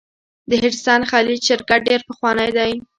د هډسن خلیج شرکت ډیر پخوانی دی.